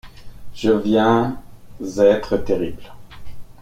Je viens être terrible.